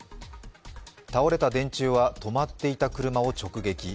倒れた電柱は止まっていた車を直撃。